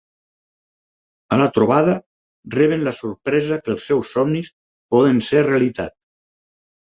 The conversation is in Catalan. A la trobada, reben la sorpresa que els seus somnis poden ser realitat.